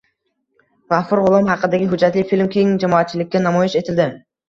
G‘afur G‘ulom haqidagi hujjatli film keng jamoatchilikka namoyish etildi